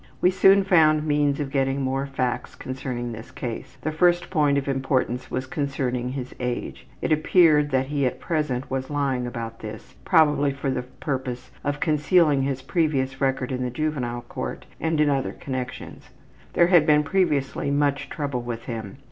We soon found means of getting more facts concerning this case. The first point of importance was concerning his age. It appeared that he at present was lying about this, probably for the purpose of concealing his previous record in the Juvenile Court and in other connections. There had been previously much trouble with him.